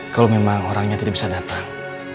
kalau memang orangnya tidak bisa datang